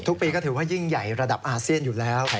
ทุกปีก็ถือว่ายิ่งใหญ่ระดับอาเซียนอยู่แล้ว